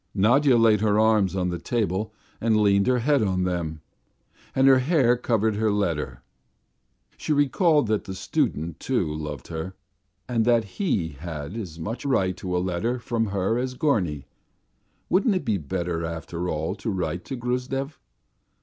Nadya laid her arms on the table and leaned her head on them, and her hair covered the letter. She recalled that the student, too, loved her, and that he had as much right to a letter from her as Gorny. Wouldn't it be better after all to write to Gruzdev?